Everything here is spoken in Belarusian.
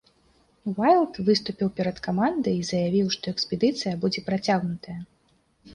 Уайлд выступіў перад камандай і заявіў, што экспедыцыя будзе працягнутая.